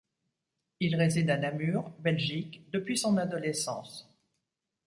Il réside à Namur, Belgique depuis son adolescence.